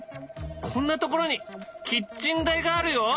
こんなところにキッチン台があるよ！